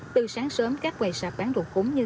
từ sáng sớm các quầy sạp bán đồ cúng như